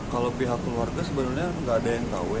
kalau pihak keluarga sebenarnya nggak ada yang tahu ya